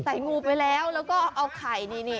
ใส่งูไปแล้วแล้วก็เอาไข่นี่นี่